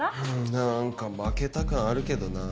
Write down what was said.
なんか負けた感あるけどな。